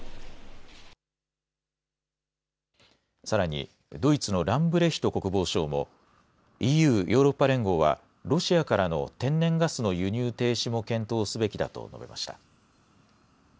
さらにドイツのランブレヒト国防相もＥＵ・ヨーロッパ連合はロシアからの天然ガスの輸入停止も検討すべきだと述べました。